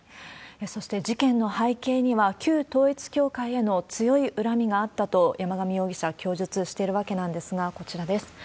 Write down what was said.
そして事件の背景には、旧統一教会への強い恨みがあったと、山上容疑者は供述しているわけなんですが、こちらです。